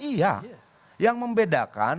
iya yang membedakan